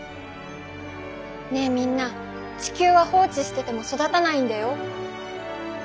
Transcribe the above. ねえみんな地球は放置してても育たないんだよ。